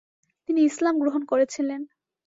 তিনি ইসলাম গ্রহণ করেছিলেন।